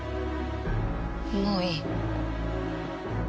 もういい。